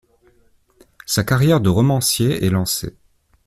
Sa carrière de romancier est lancée.